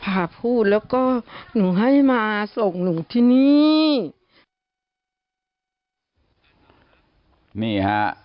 พาพู่แล้วก็หนูให้มาส่งหนุงที่นี่